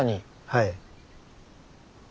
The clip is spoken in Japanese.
はい。